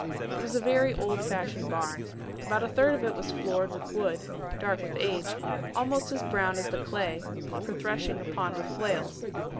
It was a very old fashioned barn. About a third of it was floored with wood dark with age almost as brown as the clay for threshing upon with flails.